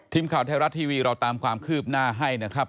ทีมข่าวไทยรัฐทีวีเราตามความคืบหน้าให้นะครับ